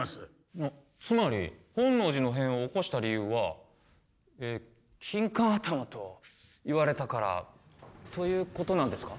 つまり本能寺の変を起こした理由はキンカン頭と言われたからということなんですか？